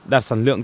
đạt sản lượng